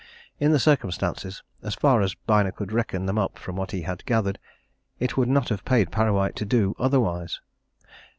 In the circumstances as far as Byner could reckon them up from what he had gathered it would not have paid Parrawhite to do otherwise.